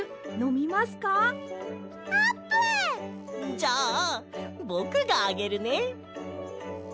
じゃあぼくがあげるね！